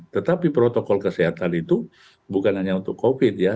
tetapi protokol kesehatan itu bukan hanya untuk covid ya